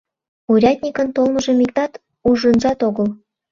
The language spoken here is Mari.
Урядникын толмыжым иктат ужынжат огыл.